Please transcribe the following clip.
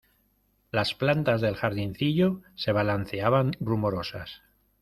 Las plantas del jardincillo se balanceaban rumorosas.